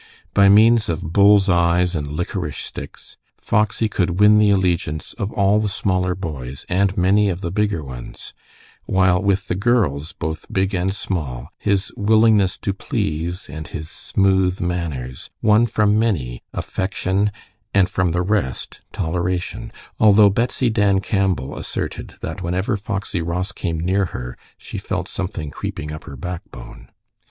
By means of bull's eyes and "lickerish" sticks, Foxy could win the allegiance of all the smaller boys and many of the bigger ones, while with the girls, both big and small, his willingness to please and his smooth manners won from many affection, and from the rest toleration, although Betsy Dan Campbell asserted that whenever Foxy Ross came near her she felt something creeping up her backbone.